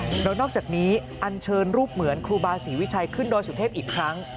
แล้วนอกจากนี้อันเชิญรูปเหมือนครูบาศรีวิชัยขึ้นดอยสุเทพอีกครั้ง